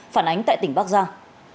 phản ánh tại tỉnh bắc giang